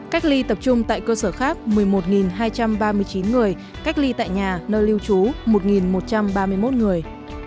cách ly tập trung tại cơ sở khác một mươi một hai trăm ba mươi chín người cách ly tại nhà nơi lưu trú một một trăm ba mươi một người